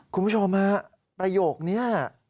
คุณผู้ชมฮะประโยคนี้